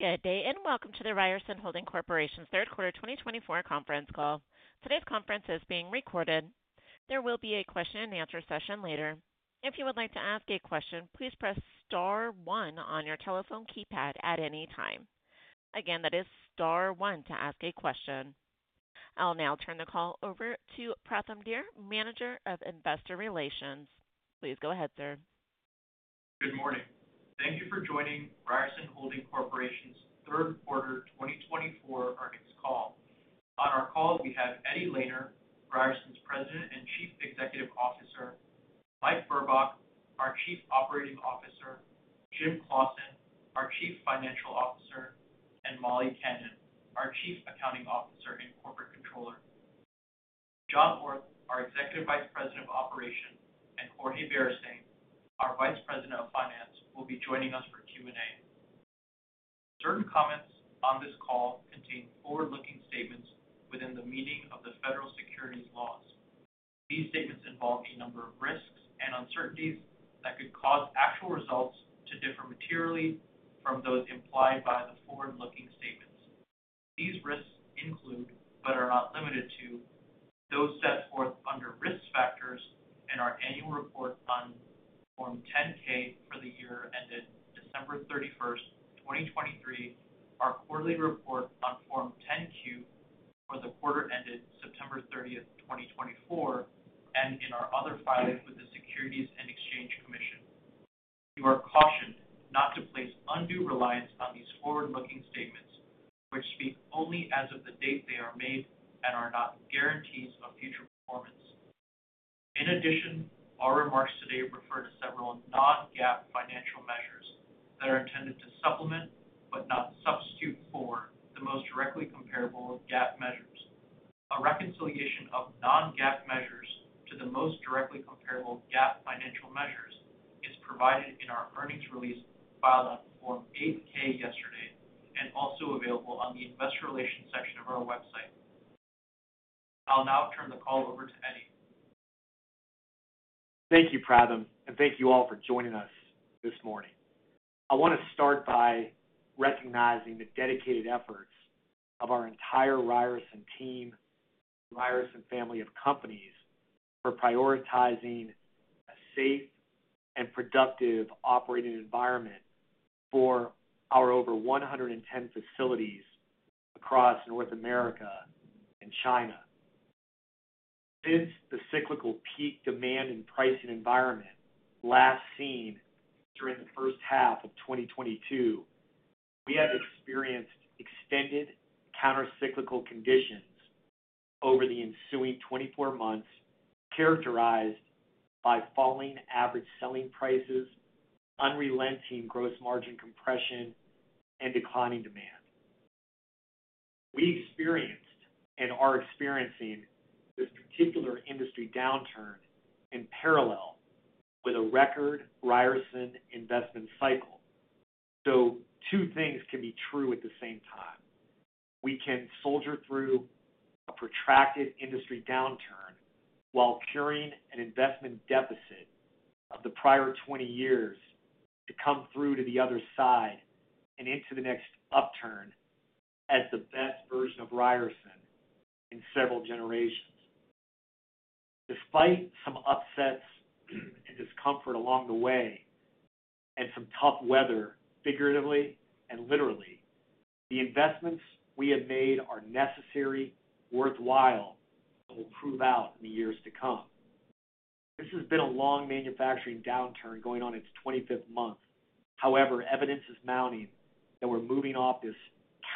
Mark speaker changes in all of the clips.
Speaker 1: Good day and welcome to the Ryerson Holding Corporation's Third Quarter 2024 conference call. Today's conference is being recorded. There will be a question-and-answer session later. If you would like to ask a question, please press star one on your telephone keypad at any time. Again, that is star one to ask a question. I'll now turn the call over to Pratham Dher, Manager of Investor Relations. Please go ahead, sir.
Speaker 2: Good morning. Thank you for joining Ryerson Holding Corporation's Third Quarter 2024 earnings call. On our call, we have Eddie Lehner, Ryerson's President and Chief Executive Officer, Mike Burbach, our Chief Operating Officer, Jim Claussen, our Chief Financial Officer, and Molly Cannan, our Chief Accounting Officer and Corporate Controller. John Orth, our Executive Vice President of Operations, and Jorge Beristain, our Vice President of Finance, will be joining us for Q&A. Certain comments on this call contain forward-looking statements within the meaning of the federal securities laws. These statements involve a number of risks and uncertainties that could cause actual results to differ materially from those implied by the forward-looking statements. These risks include, but are not limited to, those set forth under risk factors in our annual report on Form 10-K for the year ended December 31st, 2023, our quarterly report on Form 10-Q for the quarter ended September 30th, 2024, and in our other filings with the Securities and Exchange Commission. You are cautioned not to place undue reliance on these forward-looking statements, which speak only as of the date they are made and are not guarantees of future performance. In addition, our remarks today refer to several non-GAAP financial measures that are intended to supplement but not substitute for the most directly comparable GAAP measures. A reconciliation of non-GAAP measures to the most directly comparable GAAP financial measures is provided in our earnings release filed on Form 8-K yesterday and also available on the Investor Relations section of our website. I'll now turn the call over to Eddie.
Speaker 3: Thank you, Pratham, and thank you all for joining us this morning. I want to start by recognizing the dedicated efforts of our entire Ryerson team and Ryerson family of companies for prioritizing a safe and productive operating environment for our over 110 facilities across North America and China. Since the cyclical peak demand and pricing environment last seen during the first half of 2022, we have experienced extended countercyclical conditions over the ensuing 24 months, characterized by falling average selling prices, unrelenting gross margin compression, and declining demand. We experienced and are experiencing this particular industry downturn in parallel with a record Ryerson investment cycle. So two things can be true at the same time. We can soldier through a protracted industry downturn while curing an investment deficit of the prior 20 years to come through to the other side and into the next upturn as the best version of Ryerson in several generations. Despite some upsets and discomfort along the way and some tough weather, figuratively and literally, the investments we have made are necessary, worthwhile, and will prove out in the years to come. This has been a long manufacturing downturn going on its 25th month. However, evidence is mounting that we're moving off this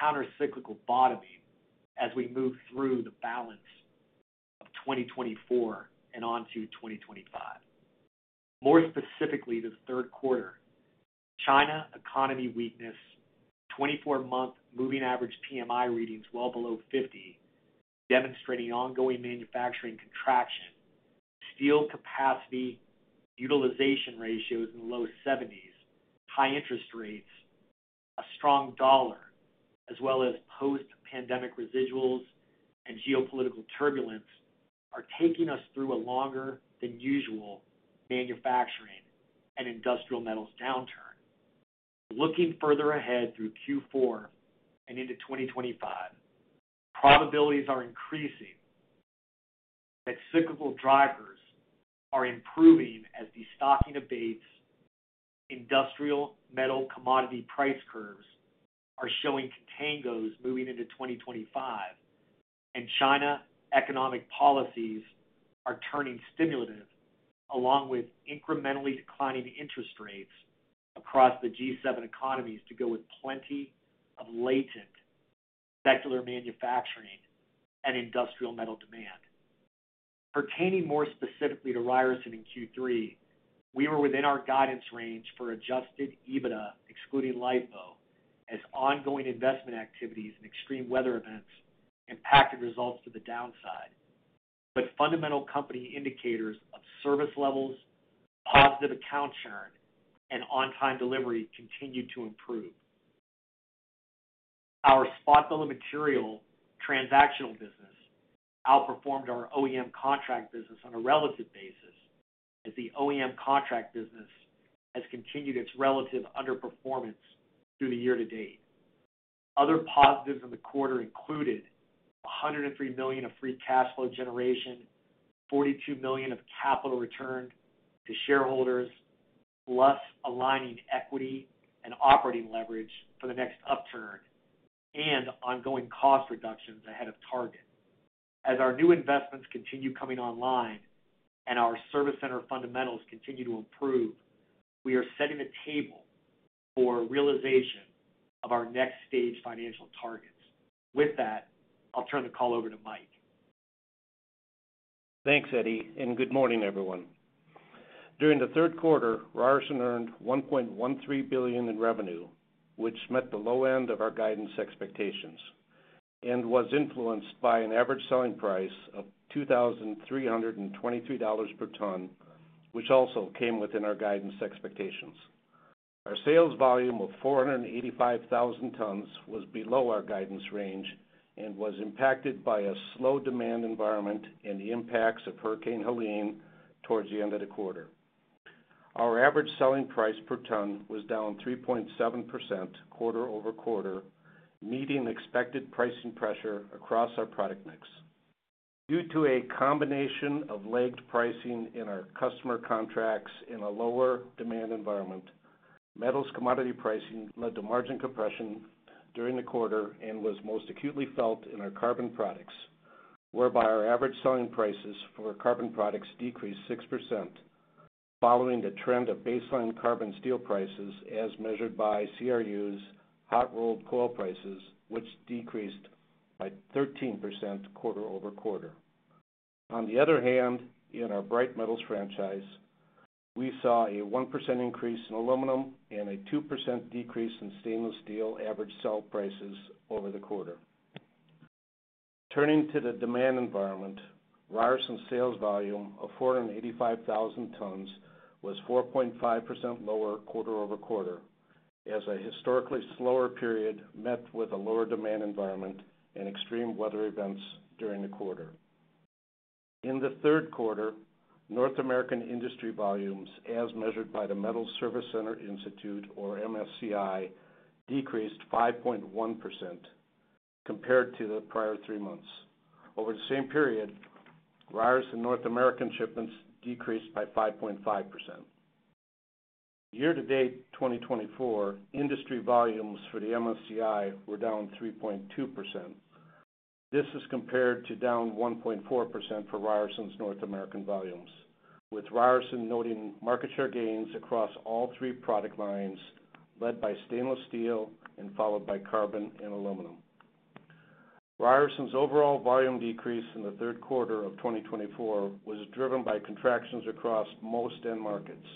Speaker 3: countercyclical bottoming as we move through the balance of 2024 and on to 2025. More specifically, this third quarter, China's economy weakness, 24-month moving average PMI readings well below 50, demonstrating ongoing manufacturing contraction, steel capacity utilization ratios in the low 70s, high interest rates, a strong dollar, as well as post-pandemic residuals and geopolitical turbulence, are taking us through a longer-than-usual manufacturing and industrial metals downturn. Looking further ahead through Q4 and into 2025, probabilities are increasing that cyclical drivers are improving as the destocking abates, industrial metal commodity price curves are showing contango moving into 2025, and China economic policies are turning stimulative along with incrementally declining interest rates across the G7 economies to go with plenty of latent secular manufacturing and industrial metal demand. Pertaining more specifically to Ryerson in Q3, we were within our guidance range for Adjusted EBITDA, excluding LIFO, as ongoing investment activities and extreme weather events impacted results to the downside. But fundamental company indicators of service levels, positive account churn, and on-time delivery continued to improve. Our spot bill of material transactional business outperformed our OEM contract business on a relative basis, as the OEM contract business has continued its relative underperformance through the year to date. Other positives in the quarter included $103 million of free cash flow generation, $42 million of capital returned to shareholders, plus aligning equity and operating leverage for the next upturn and ongoing cost reductions ahead of target. As our new investments continue coming online and our service center fundamentals continue to improve, we are setting the table for realization of our next stage financial targets. With that, I'll turn the call over to Mike.
Speaker 4: Thanks, Eddie, and good morning, everyone. During the third quarter, Ryerson earned $1.13 billion in revenue, which met the low end of our guidance expectations, and was influenced by an average selling price of $2,323 per ton, which also came within our guidance expectations. Our sales volume of 485,000 tons was below our guidance range and was impacted by a slow demand environment and the impacts of Hurricane Helene towards the end of the quarter. Our average selling price per ton was down 3.7% quarter over quarter, meeting expected pricing pressure across our product mix. Due to a combination of lagged pricing in our customer contracts in a lower demand environment, metals commodity pricing led to margin compression during the quarter and was most acutely felt in our carbon products, whereby our average selling prices for carbon products decreased 6%, following the trend of baseline carbon steel prices as measured by CRU's hot rolled coil prices, which decreased by 13% quarter over quarter. On the other hand, in our bright metals franchise, we saw a 1% increase in aluminum and a 2% decrease in stainless steel average selling prices over the quarter. Turning to the demand environment, Ryerson's sales volume of 485,000 tons was 4.5% lower quarter over quarter, as a historically slower period met with a lower demand environment and extreme weather events during the quarter. In the third quarter, North American industry volumes, as measured by the Metal Service Center Institute, or MSCI, decreased 5.1% compared to the prior three months. Over the same period, Ryerson North American shipments decreased by 5.5%. Year to date 2024, industry volumes for the MSCI were down 3.2%. This is compared to down 1.4% for Ryerson's North American volumes, with Ryerson noting market share gains across all three product lines led by stainless steel and followed by carbon and aluminum. Ryerson's overall volume decrease in the third quarter of 2024 was driven by contractions across most end markets,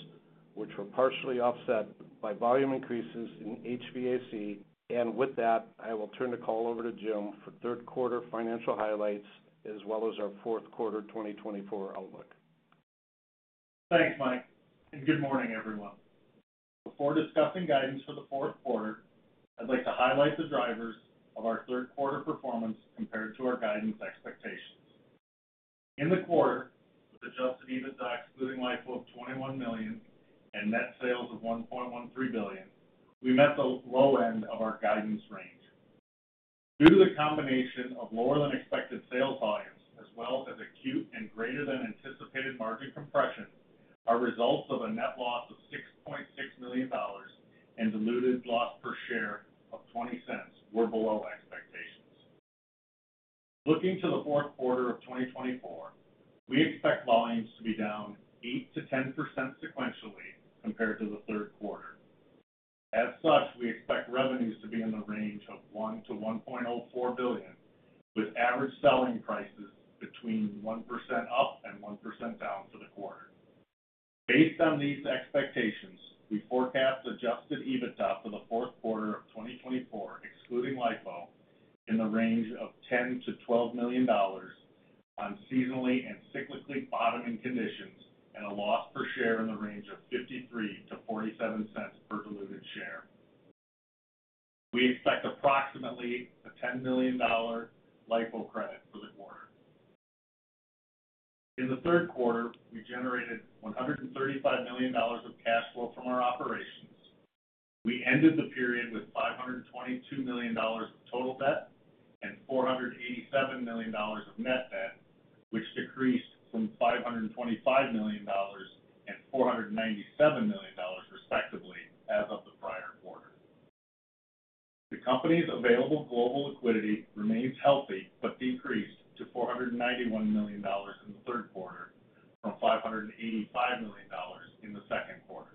Speaker 4: which were partially offset by volume increases in HVAC, and with that, I will turn the call over to Jim for third quarter financial highlights as well as our fourth quarter 2024 outlook.
Speaker 5: Thanks, Mike, and good morning, everyone. Before discussing guidance for the fourth quarter, I'd like to highlight the drivers of our third quarter performance compared to our guidance expectations. In the quarter, with Adjusted EBITDA excluding LIFO of $21 million and net sales of $1.13 billion, we met the low end of our guidance range. Due to the combination of lower-than-expected sales volumes, as well as acute and greater-than-anticipated margin compression, our results of a net loss of $6.6 million and diluted loss per share of $0.20 were below expectations. Looking to the fourth quarter of 2024, we expect volumes to be down 8%-10% sequentially compared to the third quarter. As such, we expect revenues to be in the range of $1 billion-$1.04 billion, with average selling prices between 1% up and 1% down for the quarter. Based on these expectations, we forecast Adjusted EBITDA for the fourth quarter of 2024, excluding LIFO, in the range of $10 million-$12 million on seasonally and cyclically bottoming conditions and a loss per share in the range of $0.53-$0.47 per diluted share. We expect approximately a $10 million LIFO credit for the quarter. In the third quarter, we generated $135 million of cash flow from our operations. We ended the period with $522 million of total debt and $487 million of net debt, which decreased from $525 million and $497 million, respectively, as of the prior quarter. The company's available global liquidity remains healthy but decreased to $491 million in the third quarter from $585 million in the second quarter.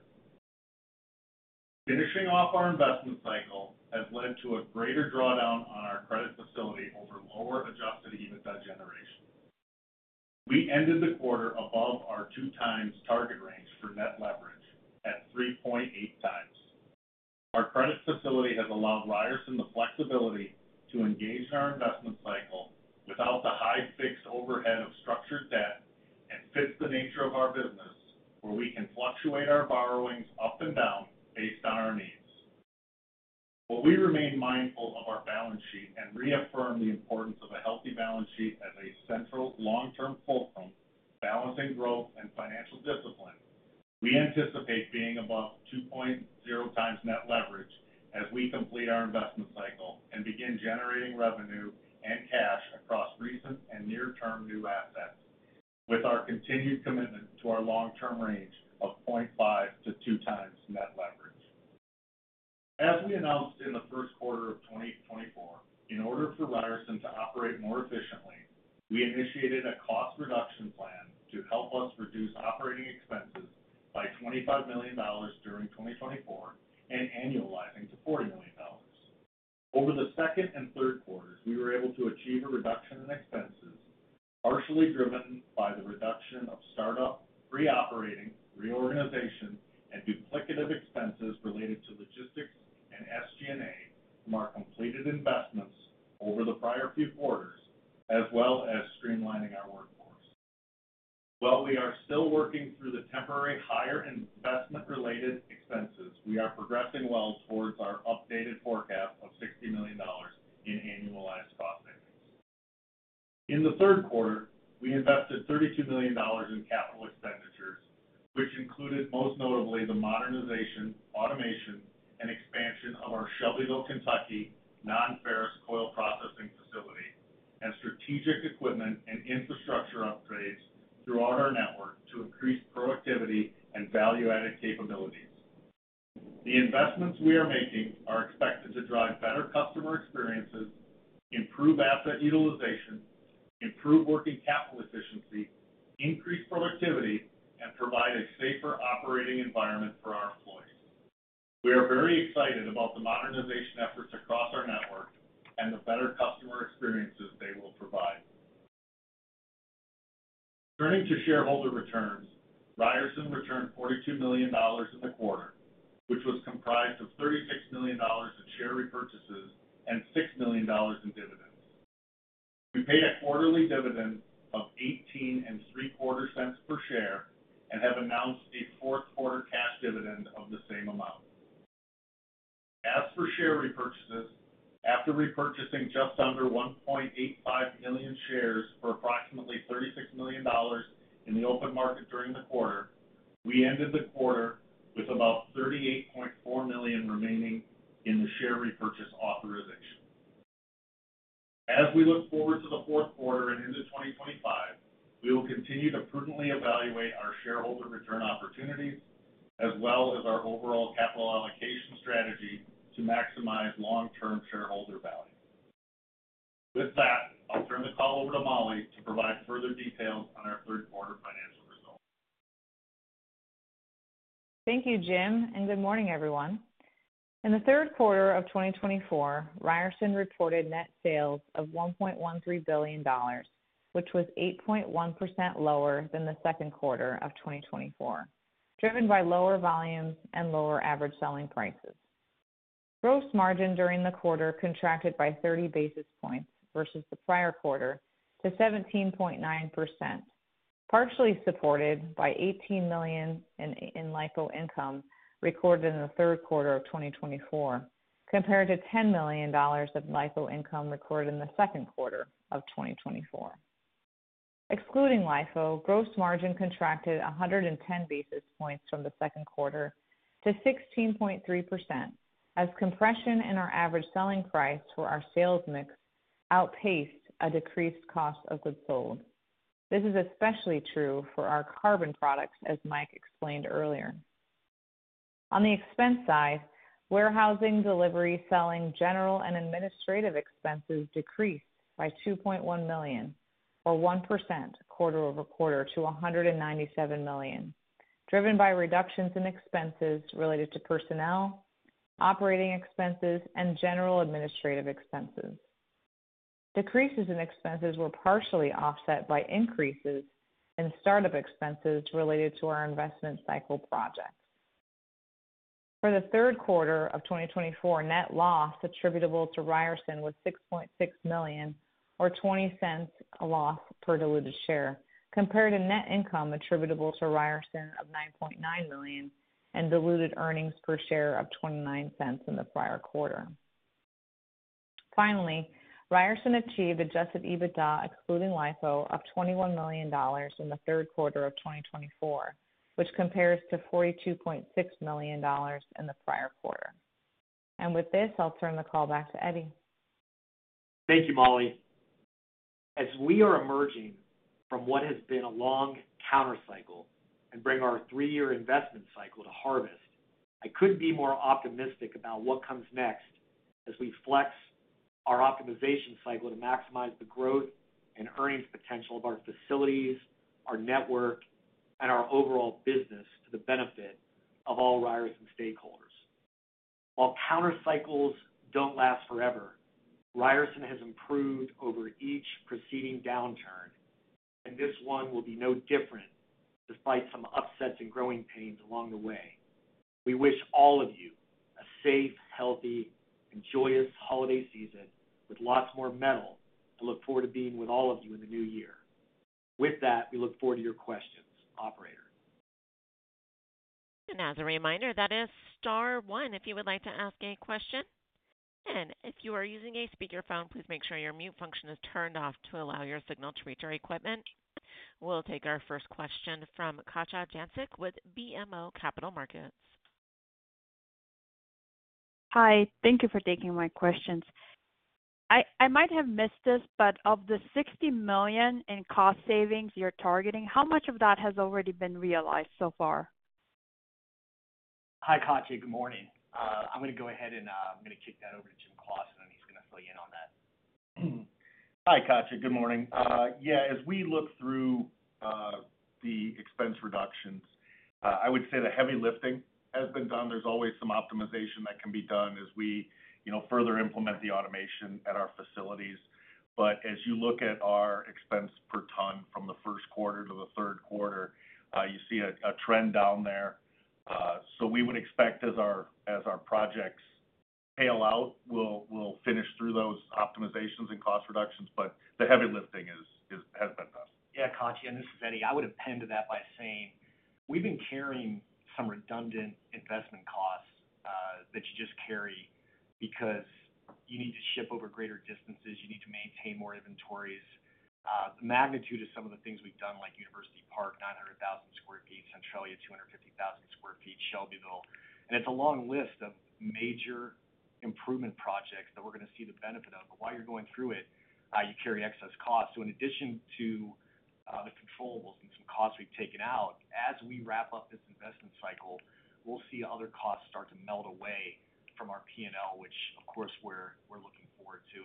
Speaker 5: Finishing off our investment cycle has led to a greater drawdown on our credit facility over lower Adjusted EBITDA generation. We ended the quarter above our two-times target range for net leverage at 3.8 times. Our credit facility has allowed Ryerson the flexibility to engage in our investment cycle without the high fixed overhead of structured debt and fits the nature of our business, where we can fluctuate our borrowings up and down based on our needs. While we remain mindful of our balance sheet and reaffirm the importance of a healthy balance sheet as a central long-term fulcrum balancing growth and financial discipline, we anticipate being above 2.0x net leverage as we complete our investment cycle and begin generating revenue and cash across recent and near-term new assets, with our continued commitment to our long-term range of 0.5x to 2x net leverage. As we announced in the first quarter of 2024, in order for Ryerson to operate more efficiently, we initiated a cost reduction plan to help us reduce operating expenses by $25 million during 2024 and annualizing to $40 million. Over the second and third quarters, we were able to achieve a reduction in expenses, partially driven by the reduction of startup, pre-operating, reorganization, and duplicative expenses related to logistics and SG&A from our completed investments over the prior few quarters, as well as streamlining our workforce. While we are still working through the temporary higher investment-related expenses, we are progressing well towards our updated forecast of $60 million in annualized cost savings. In the third quarter, we invested $32 million in capital expenditures, which included most notably the modernization, automation, and expansion of our Shelbyville, Kentucky non-ferrous coil processing facility and strategic equipment and infrastructure upgrades throughout our network to increase productivity and value-added capabilities. The investments we are making are expected to drive better customer experiences, improve asset utilization, improve working capital efficiency, increase productivity, and provide a safer operating environment for our employees. We are very excited about the modernization efforts across our network and the better customer experiences they will provide. Turning to shareholder returns, Ryerson returned $42 million in the quarter, which was comprised of $36 million in share repurchases and $6 million in dividends. We paid a quarterly dividend of $0.1875 per share and have announced a fourth quarter cash dividend of the same amount. As for share repurchases, after repurchasing just under 1.85 million shares for approximately $36 million in the open market during the quarter, we ended the quarter with about 38.4 million remaining in the share repurchase authorization. As we look forward to the fourth quarter and into 2025, we will continue to prudently evaluate our shareholder return opportunities, as well as our overall capital allocation strategy to maximize long-term shareholder value. With that, I'll turn the call over to Molly to provide further details on our third quarter financial results.
Speaker 6: Thank you, Jim, and good morning, everyone. In the third quarter of 2024, Ryerson reported net sales of $1.13 billion, which was 8.1% lower than the second quarter of 2024, driven by lower volumes and lower average selling prices. Gross margin during the quarter contracted by 30 basis points versus the prior quarter to 17.9%, partially supported by $18 million in LIFO income recorded in the third quarter of 2024, compared to $10 million of LIFO income recorded in the second quarter of 2024. Excluding LIFO, gross margin contracted 110 basis points from the second quarter to 16.3%, as compression in our average selling price for our sales mix outpaced a decreased cost of goods sold. This is especially true for our carbon products, as Mike explained earlier. On the expense side, warehousing, delivery, selling, general, and administrative expenses decreased by $2.1 million, or 1% quarter over quarter, to $197 million, driven by reductions in expenses related to personnel, operating expenses, and general administrative expenses. Decreases in expenses were partially offset by increases in startup expenses related to our investment cycle projects. For the third quarter of 2024, net loss attributable to Ryerson was $6.6 million, or $0.20 a loss per diluted share, compared to net income attributable to Ryerson of $9.9 million and diluted earnings per share of $0.29 in the prior quarter. Finally, Ryerson achieved adjusted EBITDA, excluding LIFO, of $21 million in the third quarter of 2024, which compares to $42.6 million in the prior quarter. And with this, I'll turn the call back to Eddie.
Speaker 3: Thank you, Molly. As we are emerging from what has been a long countercycle and bring our three-year investment cycle to harvest, I couldn't be more optimistic about what comes next as we flex our optimization cycle to maximize the growth and earnings potential of our facilities, our network, and our overall business to the benefit of all Ryerson stakeholders. While countercycles don't last forever, Ryerson has improved over each preceding downturn, and this one will be no different despite some upsets and growing pains along the way. We wish all of you a safe, healthy, and joyous holiday season with lots more metal. I look forward to being with all of you in the new year. With that, we look forward to your questions, operators.
Speaker 1: As a reminder, that is star one if you would like to ask a question. If you are using a speakerphone, please make sure your mute function is turned off to allow your signal to reach our equipment. We'll take our first question from Katja Jancic with BMO Capital Markets.
Speaker 7: Hi, thank you for taking my questions. I might have missed this, but of the $60 million in cost savings you're targeting, how much of that has already been realized so far?
Speaker 3: Hi, Katja. Good morning. I'm going to go ahead and I'm going to kick that over to Jim Claussen, and he's going to fill you in on that.
Speaker 5: Hi, Katja. Good morning. Yeah, as we look through the expense reductions, I would say the heavy lifting has been done. There's always some optimization that can be done as we further implement the automation at our facilities. But as you look at our expense per ton from the first quarter to the third quarter, you see a trend down there. So we would expect as our projects play out, we'll finish through those optimizations and cost reductions, but the heavy lifting has been done.
Speaker 3: Yeah, Katja, and this is Eddie. I would append to that by saying we've been carrying some redundant investment costs that you just carry because you need to ship over greater distances. You need to maintain more inventories. The magnitude of some of the things we've done, like University Park, 900,000 sq ft, Centralia, 250,000 sq ft, Shelbyville, and it's a long list of major improvement projects that we're going to see the benefit of, but while you're going through it, you carry excess costs, so in addition to the controllable and some costs we've taken out, as we wrap up this investment cycle, we'll see other costs start to melt away from our P&L, which, of course, we're looking forward to.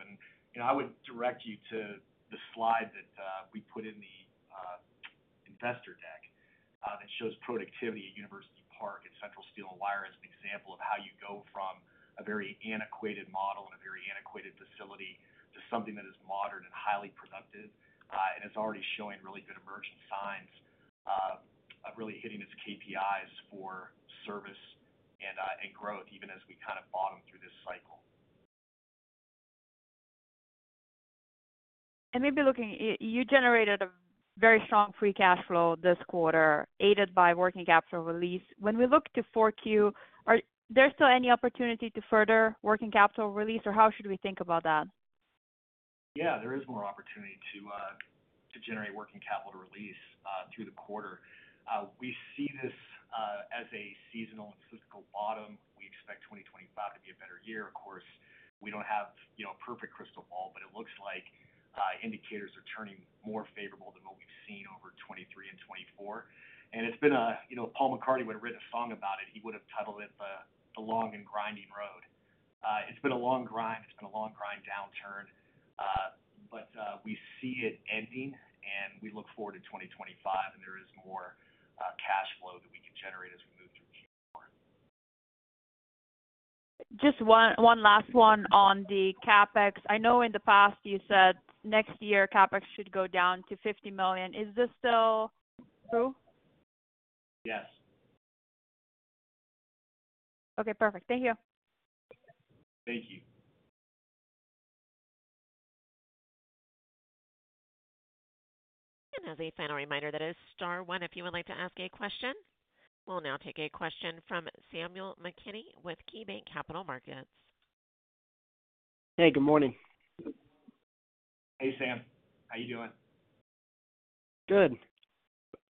Speaker 3: I would direct you to the slide that we put in the investor deck that shows productivity at University Park and Central Steel and Wire as an example of how you go from a very antiquated model and a very antiquated facility to something that is modern and highly productive and is already showing really good emerging signs of really hitting its KPIs for service and growth, even as we kind of bottom through this cycle.
Speaker 7: Maybe looking, you generated a very strong free cash flow this quarter, aided by working capital release. When we look to 4Q, is there still any opportunity to further working capital release, or how should we think about that?
Speaker 3: Yeah, there is more opportunity to generate working capital release through the quarter. We see this as a seasonal and cyclical bottom. We expect 2025 to be a better year. Of course, we don't have a perfect crystal ball, but it looks like indicators are turning more favorable than what we've seen over 2023 and 2024. And it's been a Paul McCartney would have written a song about it. He would have titled it "The Long and Grinding Road." It's been a long grind. It's been a long grind downturn. But we see it ending, and we look forward to 2025, and there is more cash flow that we can generate as we move through Q4.
Speaker 7: Just one last one on the CapEx. I know in the past you said next year CapEx should go down to $50 million. Is this still true?
Speaker 3: Yes.
Speaker 7: Okay, perfect. Thank you.
Speaker 3: Thank you.
Speaker 1: And as a final reminder, that is star one if you would like to ask a question. We'll now take a question from Samuel McKinney with KeyBanc Capital Markets.
Speaker 8: Hey, good morning.
Speaker 3: Hey, Sam. How are you doing?
Speaker 8: Good.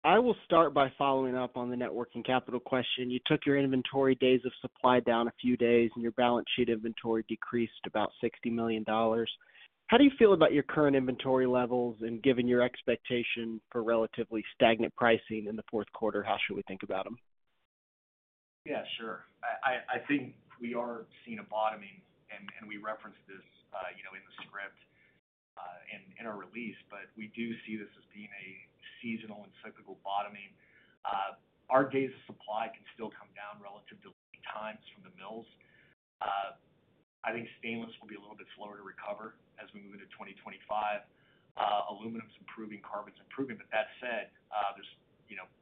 Speaker 8: I will start by following up on the working capital question. You took your inventory days of supply down a few days, and your balance sheet inventory decreased about $60 million. How do you feel about your current inventory levels and given your expectation for relatively stagnant pricing in the fourth quarter? How should we think about them?
Speaker 3: Yeah, sure. I think we are seeing a bottoming, and we referenced this in the script and in our release, but we do see this as being a seasonal and cyclical bottoming. Our days of supply can still come down relative to lead times from the mills. I think stainless will be a little bit slower to recover as we move into 2025. Aluminum's improving, carbon's improving, but that said, there's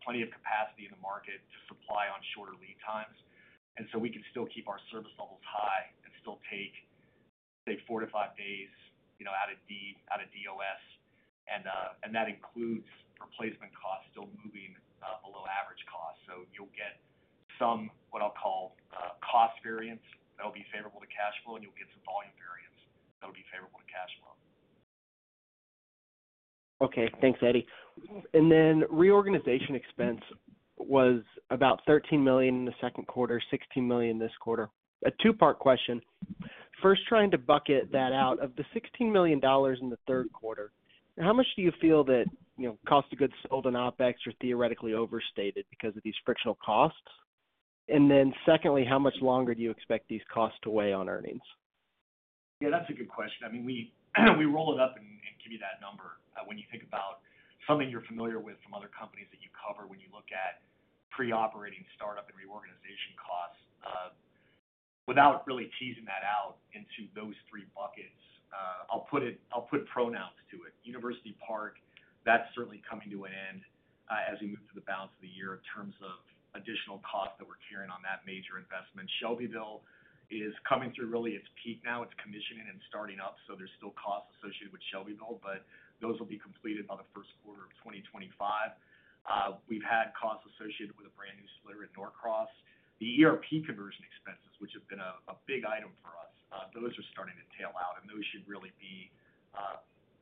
Speaker 3: plenty of capacity in the market to supply on shorter lead times, and so we can still keep our service levels high and still take, say, four to five days out of DOS, and that includes replacement costs still moving below average costs, so you'll get some what I'll call cost variants that will be favorable to cash flow, and you'll get some volume variants that will be favorable to cash flow.
Speaker 8: Okay, thanks, Eddie. And then reorganization expense was about $13 million in the second quarter, $16 million this quarter. A two-part question. First, trying to bucket that out of the $16 million in the third quarter, how much do you feel that cost of goods sold in OPEX are theoretically overstated because of these frictional costs? And then secondly, how much longer do you expect these costs to weigh on earnings?
Speaker 3: Yeah, that's a good question. I mean, we roll it up and give you that number. When you think about something you're familiar with from other companies that you cover, when you look at pre-operating startup and reorganization costs without really teasing that out into those three buckets, I'll put names to it. University Park, that's certainly coming to an end as we move to the balance of the year in terms of additional costs that we're carrying on that major investment. Shelbyville is coming through really its peak now. It's commissioning and starting up, so there's still costs associated with Shelbyville, but those will be completed by the first quarter of 2025. We've had costs associated with a brand new splitter at Norcross. The ERP conversion expenses, which have been a big item for us, those are starting to tail out, and those should really be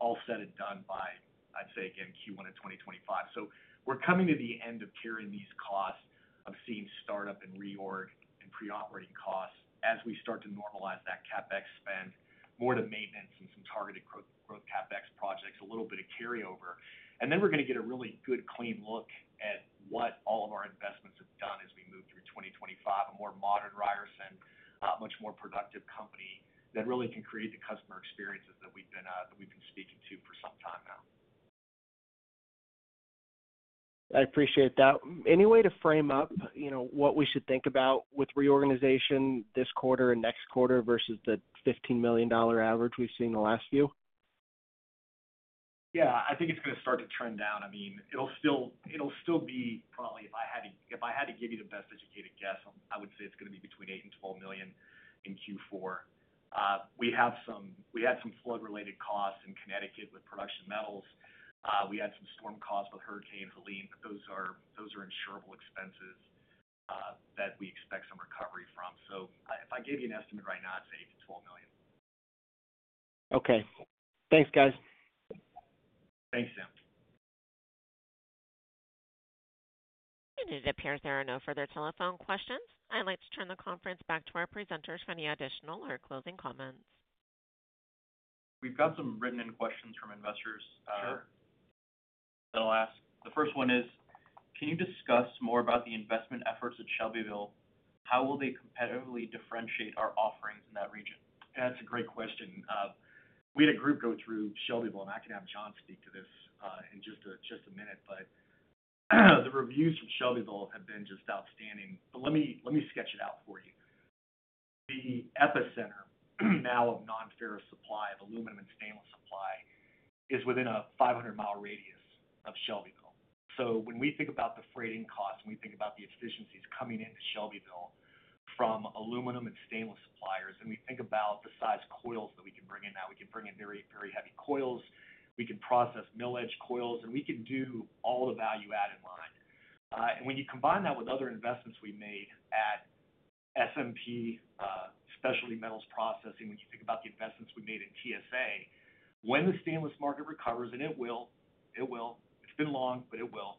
Speaker 3: all said and done by, I'd say, again, Q1 of 2025. So we're coming to the end of carrying these costs of seeing startup and reorg and pre-operating costs as we start to normalize that CapEx spend more to maintenance and some targeted growth CapEx projects, a little bit of carryover. And then we're going to get a really good, clean look at what all of our investments have done as we move through 2025, a more modern Ryerson, much more productive company that really can create the customer experiences that we've been speaking to for some time now.
Speaker 8: I appreciate that. Any way to frame up what we should think about with reorganization this quarter and next quarter versus the $15 million average we've seen the last few?
Speaker 3: Yeah, I think it's going to start to trend down. I mean, it'll still be probably, if I had to give you the best educated guess, I would say it's going to be between $8 and $12 million in Q4. We had some flood-related costs in Connecticut with Production Metals. We had some storm costs with Hurricane Helene, but those are insurable expenses that we expect some recovery from. So if I gave you an estimate right now, I'd say $8 to $12 million.
Speaker 8: Okay. Thanks, guys.
Speaker 3: Thanks, Sam.
Speaker 1: It appears there are no further telephone questions. I'd like to turn the conference back to our presenters for any additional or closing comments.
Speaker 2: We've got some written-in questions from investors.
Speaker 3: Sure.
Speaker 2: That'll ask. The first one is, Can you discuss more about the investment efforts at Shelbyville? How will they competitively differentiate our offerings in that region?
Speaker 3: Yeah, that's a great question. We had a group go through Shelbyville, and I can have John speak to this in just a minute, but the reviews from Shelbyville have been just outstanding. But let me sketch it out for you. The epicenter now of non-ferrous supply of aluminum and stainless supply is within a 500-mile radius of Shelbyville. So when we think about the freighting costs and we think about the efficiencies coming into Shelbyville from aluminum and stainless suppliers, and we think about the size coils that we can bring in now, we can bring in very, very heavy coils. We can process mill-edge coils, and we can do all the value-add in line. And when you combine that with other investments we made at SMP Specialty Metals Processing, when you think about the investments we made in TSA, when the stainless market recovers, and it will, it will. It's been long, but it will.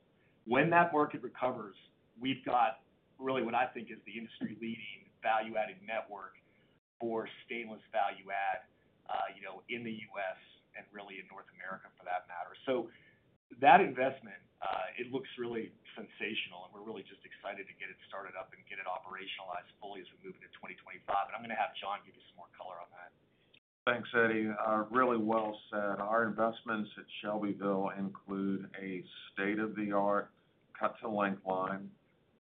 Speaker 3: When that market recovers, we've got really what I think is the industry-leading value-added network for stainless value-add in the U.S. and really in North America for that matter. So that investment, it looks really sensational, and we're really just excited to get it started up and get it operationalized fully as we move into 2025. And I'm going to have John give you some more color on that.
Speaker 9: Thanks, Eddie. Really well said. Our investments at Shelbyville include a state-of-the-art cut-to-length line,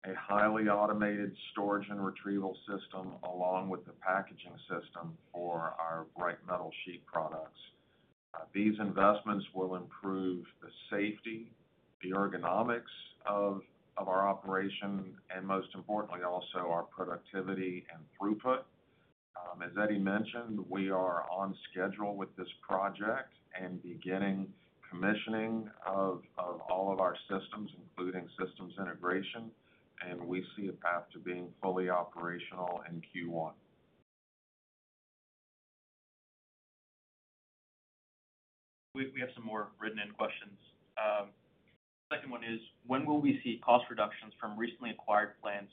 Speaker 9: a highly automated storage and retrieval system, along with the packaging system for our bright metal sheet products. These investments will improve the safety, the ergonomics of our operation, and most importantly, also our productivity and throughput. As Eddie mentioned, we are on schedule with this project and beginning commissioning of all of our systems, including systems integration, and we see a path to being fully operational in Q1.
Speaker 2: We have some more written-in questions. Second one is, when will we see cost reductions from recently acquired plants?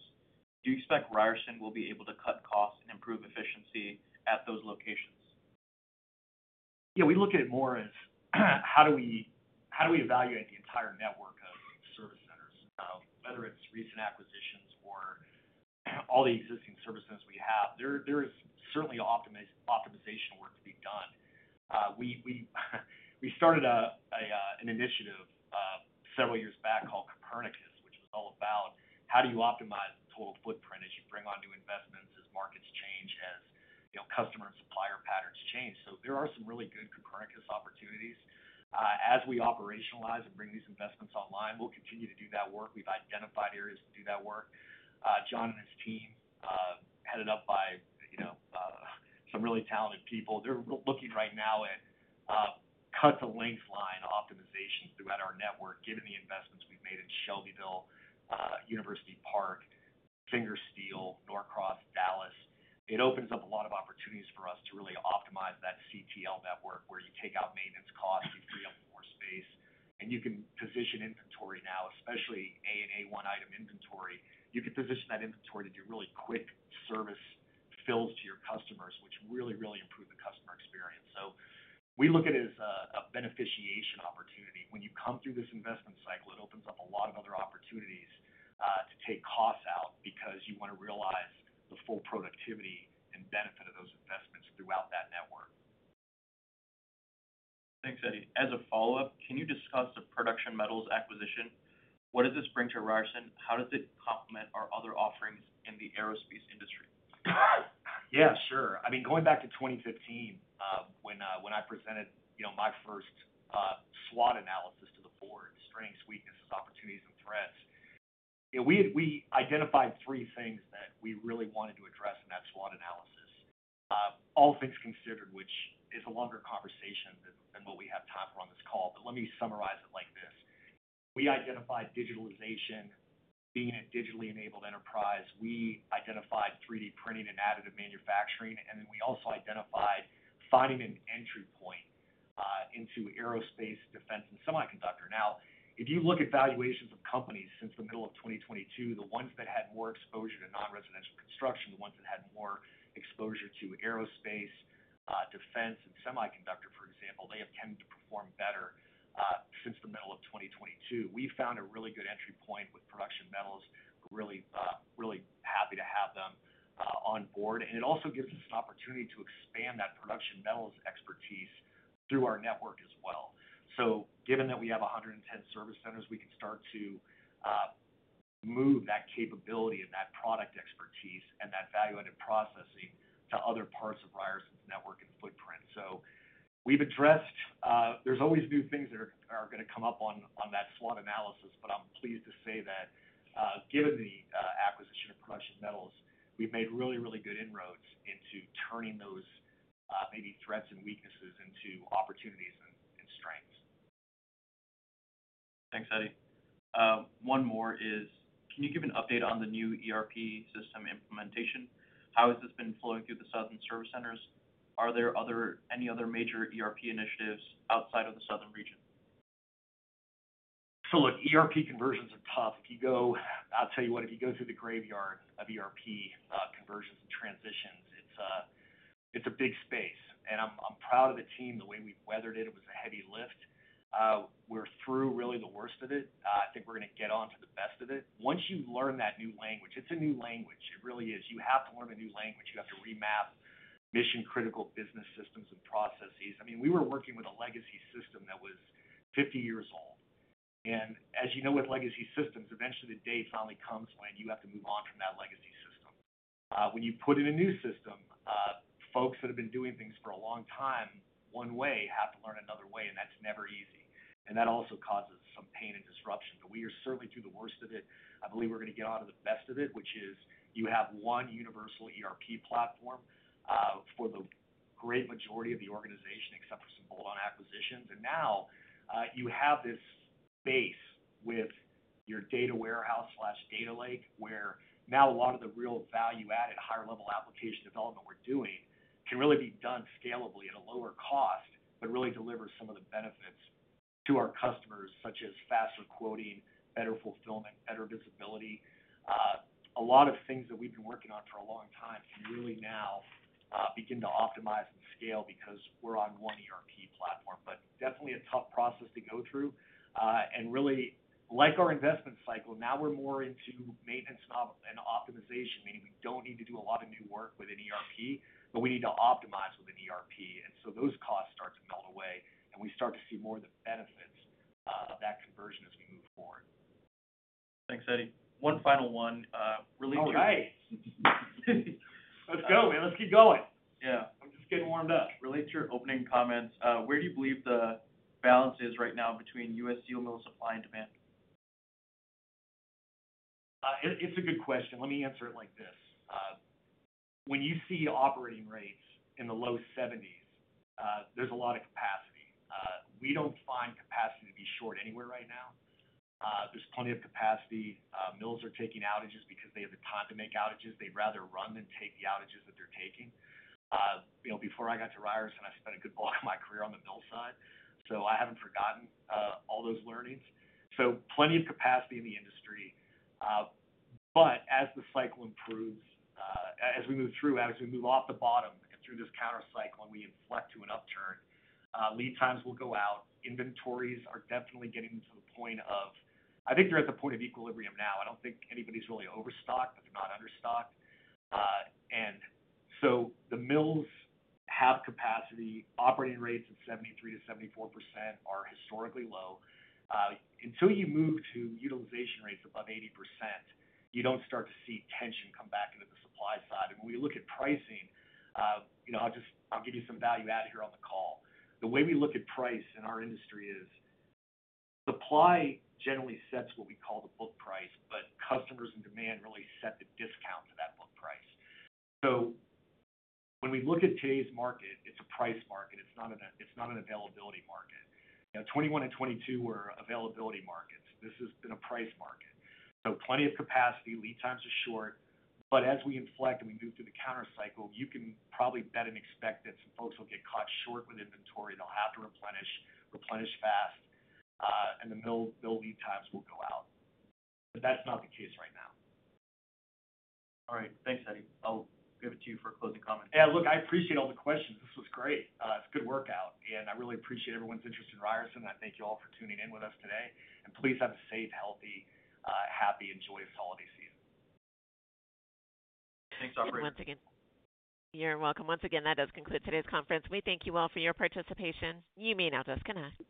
Speaker 2: Do you expect Ryerson will be able to cut costs and improve efficiency at those locations?
Speaker 3: Yeah, we look at it more as how do we evaluate the entire network of service centers, whether it's recent acquisitions or all the existing service centers we have. There is certainly optimization work to be done. We started an initiative several years back called Copernicus, which was all about how do you optimize the total footprint as you bring on new investments, as markets change, as customer and supplier patterns change. So there are some really good Copernicus opportunities. As we operationalize and bring these investments online, we'll continue to do that work. We've identified areas to do that work. John and his team, headed up by some really talented people. They're looking right now at cut-to-length line optimization throughout our network, given the investments we've made in Shelbyville, University Park, Singer Steel, Norcross, Dallas. It opens up a lot of opportunities for us to really optimize that CTL network where you take out maintenance costs, you free up more space, and you can position inventory now, especially A and A1 item inventory. You can position that inventory to do really quick service fills to your customers, which really, really improve the customer experience. So we look at it as a beneficiation opportunity. When you come through this investment cycle, it opens up a lot of other opportunities to take costs out because you want to realize the full productivity and benefit of those investments throughout that network.
Speaker 2: Thanks, Eddie. As a follow-up, can you discuss the Production Metals acquisition? What does this bring to Ryerson? How does it complement our other offerings in the aerospace industry?
Speaker 3: Yeah, sure. I mean, going back to 2015, when I presented my first SWOT analysis to the board, strengths, weaknesses, opportunities, and threats, we identified three things that we really wanted to address in that SWOT analysis. All things considered, which is a longer conversation than what we have time for on this call, but let me summarize it like this. We identified digitalization being a digitally enabled enterprise. We identified 3D printing and additive manufacturing. And then we also identified finding an entry point into aerospace, defense, and semiconductor. Now, if you look at valuations of companies since the middle of 2022, the ones that had more exposure to non-residential construction, the ones that had more exposure to aerospace, defense, and semiconductor, for example, they have tended to perform better since the middle of 2022. We found a really good entry point with Production Metals. We're really happy to have them on board. And it also gives us an opportunity to expand that Production Metals expertise through our network as well. So given that we have 110 service centers, we can start to move that capability and that product expertise and that value-added processing to other parts of Ryerson's network and footprint. So we've addressed. There's always new things that are going to come up on that SWOT analysis, but I'm pleased to say that given the acquisition of Production Metals, we've made really, really good inroads into turning those maybe threats and weaknesses into opportunities and strengths.
Speaker 2: Thanks, Eddie. One more is, can you give an update on the new ERP system implementation? How has this been flowing through the southern service centers? Are there any other major ERP initiatives outside of the southern region?
Speaker 3: So look, ERP conversions are tough. I'll tell you what, if you go through the graveyard of ERP conversions and transitions, it's a big space. And I'm proud of the team, the way we've weathered it. It was a heavy lift. We're through really the worst of it. I think we're going to get on to the best of it. Once you learn that new language, it's a new language. It really is. You have to learn a new language. You have to remap mission-critical business systems and processes. I mean, we were working with a legacy system that was 50 years old. And as you know with legacy systems, eventually the day finally comes when you have to move on from that legacy system. When you put in a new system, folks that have been doing things for a long time one way have to learn another way, and that's never easy. And that also causes some pain and disruption. But we are certainly through the worst of it. I believe we're going to get on to the best of it, which is you have one universal ERP platform for the great majority of the organization except for some bolt-on acquisitions. And now you have this base with your data warehouse/data lake where now a lot of the real value-added higher-level application development we're doing can really be done scalably at a lower cost but really delivers some of the benefits to our customers, such as faster quoting, better fulfillment, better visibility. A lot of things that we've been working on for a long time can really now begin to optimize and scale because we're on one ERP platform, but definitely a tough process to go through, and really, like our investment cycle, now we're more into maintenance and optimization, meaning we don't need to do a lot of new work with an ERP, but we need to optimize with an ERP, and so those costs start to melt away, and we start to see more of the benefits of that conversion as we move forward.
Speaker 2: Thanks, Eddie. One final one.
Speaker 3: All right.
Speaker 2: Let's go, man. Let's keep going.
Speaker 3: Yeah.
Speaker 2: I'm just getting warmed up. Related to your opening comments, where do you believe the balance is right now between U.S. steel mill supply and demand?
Speaker 3: It's a good question. Let me answer it like this. When you see operating rates in the low 70s, there's a lot of capacity. We don't find capacity to be short anywhere right now. There's plenty of capacity. Mills are taking outages because they have the time to make outages. They'd rather run than take the outages that they're taking. Before I got to Ryerson, I spent a good bulk of my career on the mill side, so I haven't forgotten all those learnings. So plenty of capacity in the industry. But as the cycle improves, as we move through, as we move off the bottom and through this counter-cycle and we inflect to an upturn, lead times will go out. Inventories are definitely getting to the point of I think they're at the point of equilibrium now. I don't think anybody's really overstocked, but they're not understocked. And so the mills have capacity. Operating rates at 73%-74% are historically low. Until you move to utilization rates above 80%, you don't start to see tension come back into the supply side. And when we look at pricing, I'll give you some value-add here on the call. The way we look at price in our industry is supply generally sets what we call the book price, but customers and demand really set the discount to that book price. So when we look at today's market, it's a price market. It's not an availability market. 2021 and 2022 were availability markets. This has been a price market. So plenty of capacity. Lead times are short. But as we inflect and we move through the counter-cycle, you can probably bet and expect that some folks will get caught short with inventory. They'll have to replenish fast, and the mill lead times will go out. But that's not the case right now.
Speaker 2: All right. Thanks, Eddie. I'll give it to you for a closing comment.
Speaker 3: Yeah, look, I appreciate all the questions. This was great. It's a good workout. And I really appreciate everyone's interest in Ryerson. I thank you all for tuning in with us today. And please have a safe, healthy, happy, and joyous holiday season. Thanks, operations.
Speaker 1: Thanks, once again. You're welcome. Once again, that does conclude today's conference. We thank you all for your participation. You may now disconnect.